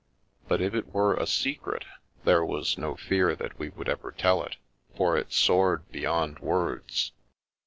But if it were a secret, there was no fear that we would ever tell it, for it soared beyond words.